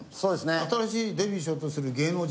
新しいデビューしようとする芸能人